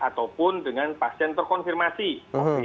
ataupun dengan pasien terkonfirmasi covid